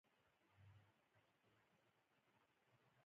په دې قېمت هېچا د پنبې کښت ته زړه نه ښه کاوه.